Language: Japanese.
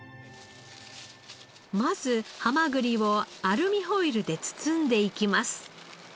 まずハマグリをアルミホイルで包んでいきます。